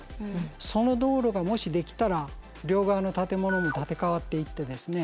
その道路がもし出来たら両側の建物も建て替わっていってですね